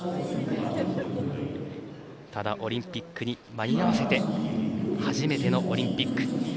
ただオリンピックに間に合わせて初めてのオリンピック。